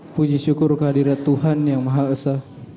puji syukur kehadiran tuhan yang maha esa